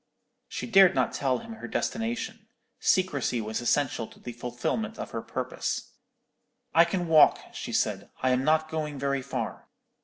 She dared not tell him her destination; secrecy was essential to the fulfilment of her purpose. "I can walk," she said; "I am not going very far."